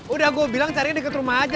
udah gue bilang carinya deket rumah aja